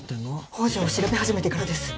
宝条を調べ始めてからです